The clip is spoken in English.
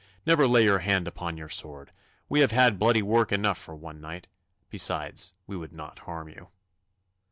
never lay your hand upon your sword. We have had bloody work enough for one night. Besides, we would not harm you.